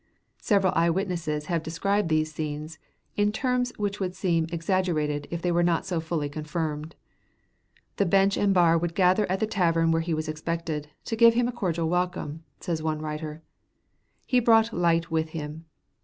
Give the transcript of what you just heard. Several eye witnesses have described these scenes in terms which would seem exaggerated if they were not so fully confirmed. The bench and bar would gather at the tavern where he was expected, to give him a cordial welcome; says one writer, "He brought light with him."